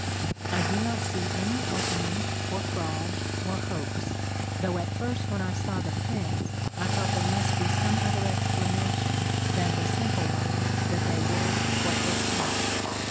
I do not see any opening for fraud or hoax, though at first when I saw the prints I thought there must be some other expla nation than the simple one that they were what they seemed.